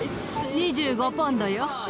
２５ポンドよ。